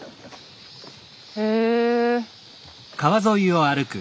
へえ。